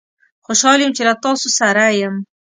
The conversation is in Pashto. خوشحال یم چې له تاسوسره یم